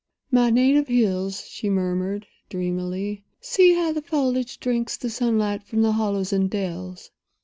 "My native hills!" she murmured, dreamily. "See how the foliage drinks the sunlight from the hollows and dells."